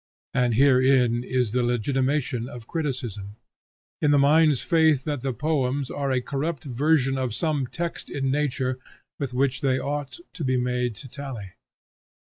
And herein is the legitimation of criticism, in the mind's faith that the poems are a corrupt version of some text in nature with which they ought to be made to tally.